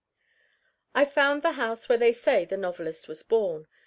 I found the house where they say the novelist was born.